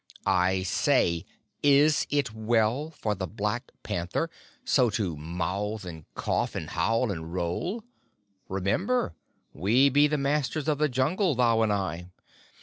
"I say, is it well for the Black Panther so to mouth and cough, and howl and roll? Remember, we be the Masters of the Jungle, thou and I."